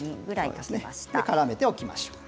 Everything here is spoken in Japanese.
からめておきましょう。